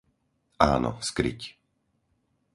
Áno, skryť.